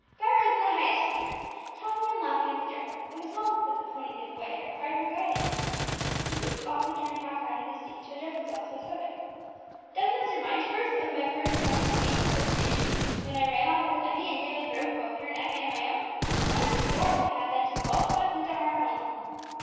Vibert was in the highest spirits, talking and laughing as he drove. It was well that the pony knew the way, and required no guiding. The youth often turned half round in his seat, to address himself to his brother. "Doesn't this remind you, Bruce, of my first coming to meet you at this station, when I ran off with Emmie, and nearly broke both her neck and my own? What a storm we had then to welcome us into our home!"